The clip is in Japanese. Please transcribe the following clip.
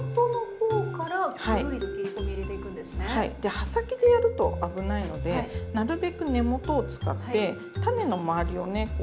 刃先でやると危ないのでなるべく根元を使って種の周りをね